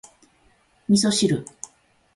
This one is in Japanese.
味噌汁